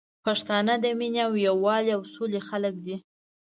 پښتانه د مينې او یوالي او سولي خلګ دي